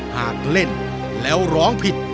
หากเล่นแล้วร้องผิด